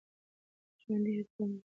ژوندی حرکت مرسته کوي.